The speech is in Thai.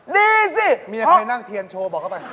ดีสิมีใครนั่งเทียนโชว์บอกเข้าไป